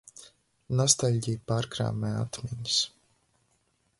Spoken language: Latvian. Nostalģija pārkrāmē atmiņas.